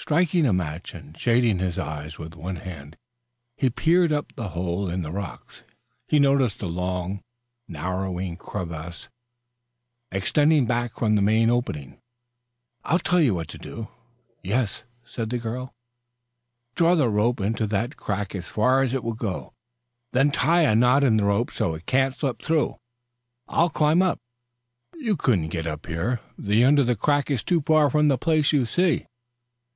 Striking a match and shading his eyes with one hand, he peered up to the hole in the rocks. He noted a long narrowing crevice extending back from the main opening. "I'll tell you what to do." "Yes." "Draw the rope into that crack as far as it will go, then tie a knot in the rope so it cannot slip through. I'll climb up " "You couldn't get up here. The end of the crack is too far from the place you see.